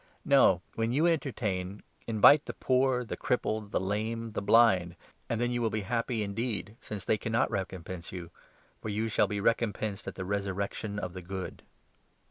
No, when you entertain, invite the poor, the 13 crippled, the lame, the blind ; and then you will be happy 14 indeed, since they cannot recompense you ; for you shall be recompensed at the resurrection of the good."